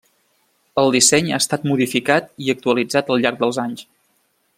El disseny ha estat modificat i actualitzat al llarg dels anys.